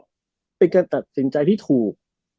ก็เป็นการตัดสินใจที่ถูก